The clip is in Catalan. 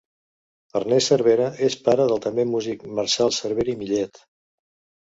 Ernest Cervera és pare del també músic Marçal Cervera i Millet.